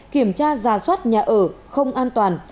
kiểm tra ra soát nhà ở không an toàn